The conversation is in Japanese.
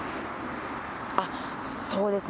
そうですね。